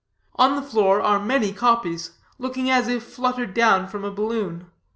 On the floor are many copies, looking as if fluttered down from a balloon.